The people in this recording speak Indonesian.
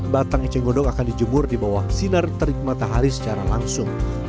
batang eceng gondok akan dijemur di bawah sinar terik matahari secara langsung